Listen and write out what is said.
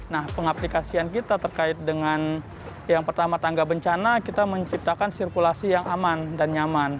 nah pengaplikasian kita terkait dengan yang pertama tangga bencana kita menciptakan sirkulasi yang aman dan nyaman